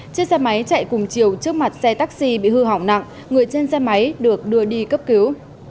chiếc xe máy chạy cùng chiều trước mặt xe taxi bị hư hỏng nặng người trên xe máy được đưa đi cấp cứu